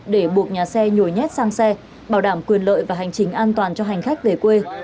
để buộc nhà xe nhồi nhét sang xe bảo đảm quyền lợi và hành trình an toàn cho hành khách về quê